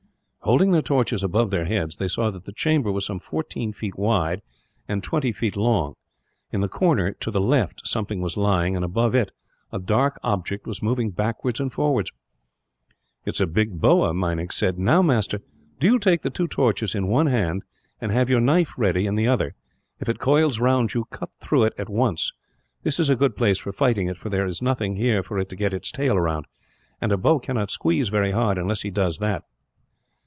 Holding their torches above their heads, they saw that the chamber was some fourteen feet wide and twenty long. In the corner to the left something was lying and, above it, a dark object was moving backwards and forwards. "It is a big boa," Meinik said. "Now, master, do you take the two torches in one hand, and have your knife ready in the other. If it coils round you, cut through it at once. This is a good place for fighting it, for there is nothing here for it to get its tail round; and a boa cannot squeeze very hard, unless he does that."